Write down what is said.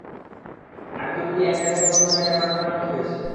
আমি দড়ি দিয়ে এক জায়গা থেকে অন্য জায়গায় টার্জানের মত গেছি।